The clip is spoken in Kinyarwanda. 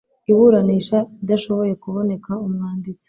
iburanisha idashoboye kuboneka umwanditsi